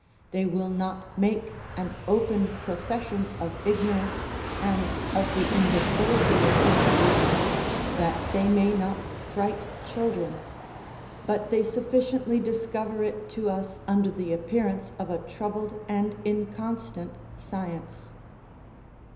They will not make an open profession of ignorance, and of the imbecility of human reason, that they may not fright children; but they sufficiently discover it to us under the appearance of a troubled and inconstant science.